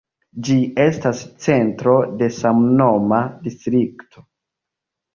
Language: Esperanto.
Ĝi estas centro de samnoma distrikto.